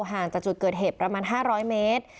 ห่างจากจุดเกิดเหตุประมาณ๕๐๐เมตร